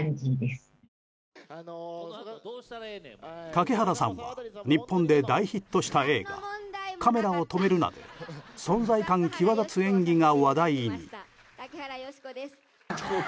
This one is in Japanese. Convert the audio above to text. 竹原さんは日本で大ヒットした映画「カメラを止めるな！」で存在感際立つ演技が話題に。